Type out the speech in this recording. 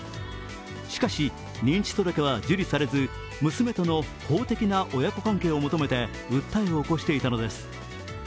しかし認知届は受理されず娘との法的な親子関係を求めて訴えを起こしていたのです。